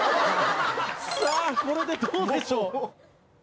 さあこれでどうでしょう？